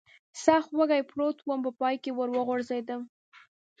سخت وږی پروت ووم، په پای کې ور وغورځېدم.